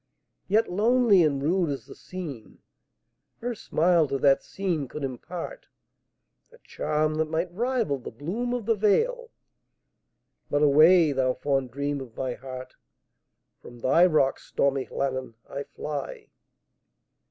Yet lonely and rude as the scene, Her smile to that scene could impartA charm that might rival the bloom of the vale,—But away, thou fond dream of my heart! From thy rocks, stormy Llannon, I fly.